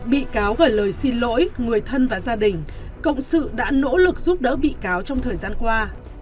bị cáo gửi lời xin lỗi người thân và gia đình cộng sự đã nỗ lực giúp đỡ bị cáo trong thời gian qua